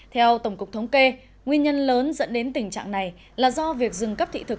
theo tổng cục thống kê nguyên nhân lớn dẫn đến tình trạng này là do việc dừng cấp thị thực